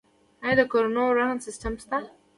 آیا د کورونو رهن سیستم شته؟